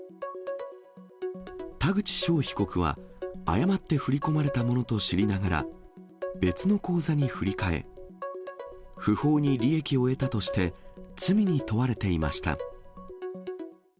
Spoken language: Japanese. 田口翔被告は、誤って振り込まれたものと知りながら、別の口座に振り替え、不法に利益を得たとして、罪に問われていました。